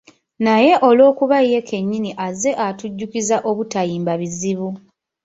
Naye olw'okuba ye kennyini azze atujjukiza obutayimba bizibu